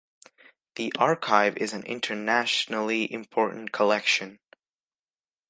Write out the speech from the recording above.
The archive is an internationally important collection.